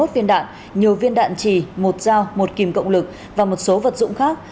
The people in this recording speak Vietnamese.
hai mươi viên đạn nhiều viên đạn trì một dao một kìm cộng lực và một số vật dụng khác